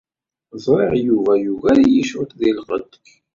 Ẓriɣ Yuba yugar-iyi cwiṭ deg lqedd.